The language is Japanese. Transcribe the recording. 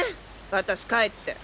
私帰って。